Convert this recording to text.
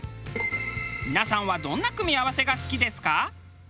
皆さんはどんな組み合わせが好きですか？